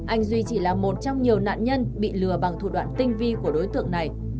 anh duy chỉ là một trong nhiều nạn nhân bị lừa bằng thủ đoạn tinh vi của đối tượng này